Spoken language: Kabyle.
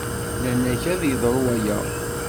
Nnan-ak ad yeḍru waya.